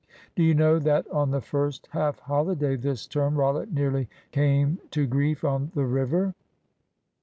"Do you know that on the first half holiday this term Rollitt nearly came to grief on the river?"